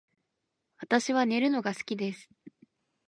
私は寝るのが好きです